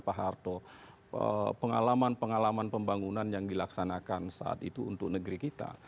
pak harto pengalaman pengalaman pembangunan yang dilaksanakan saat itu untuk negeri kita